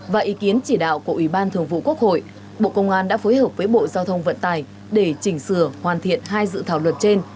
và ý kiến chỉ đạo của ủy ban thường vụ quốc hội bộ công an đã phối hợp với bộ giao thông vận tải để chỉnh sửa hoàn thiện hai dự thảo luật trên